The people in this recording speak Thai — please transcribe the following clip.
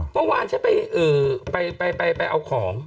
เมื่อวานฉันไปเอาของ